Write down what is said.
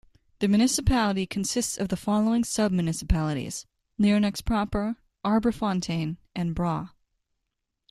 The municipality consists of the following sub-municipalities: Lierneux proper, Arbrefontaine, and Bra.